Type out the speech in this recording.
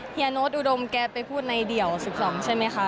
โน้ตอุดมแกไปพูดในเดี่ยว๑๒ใช่ไหมคะ